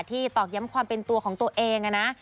ตอกย้ำความเป็นตัวของตัวเองนะ